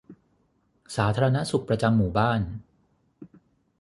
สาธารณสุขประจำหมู่บ้าน